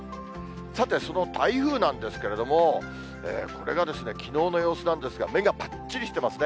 さて、その台風なんですけれども、これがきのうの様子なんですが、目がぱっちりしていますね。